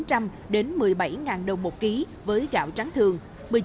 từ một mươi năm chín trăm linh đến một mươi bảy đồng một ký với gạo trắng thường